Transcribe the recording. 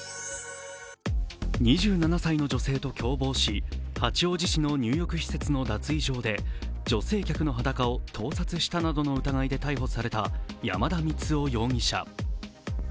２７歳の女性と共謀し、八王子市の入浴施設の脱衣所で女性客の裸を盗撮したなどの疑いで逮捕された山田満生容疑者。